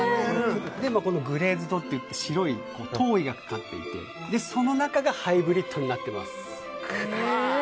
グレーズドといって白い糖衣がかかっていてその中がハイブリッドになっています。